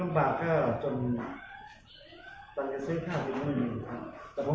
นะครับผมก็พยายามมาดึง